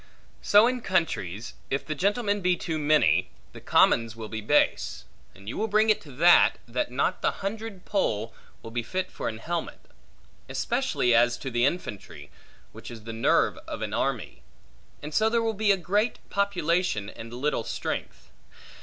So in countries, if the gentlemen be too many, the commons will be base; and you will bring it to that, that not the hundred poll, will be fit for an helmet; especially as to the infantry, which is the nerve of an army; and so there will be great population, and little strength.